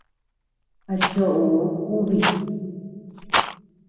A chóʼoo kubii.